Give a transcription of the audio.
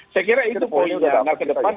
saya kira itu poin yang akan ke depan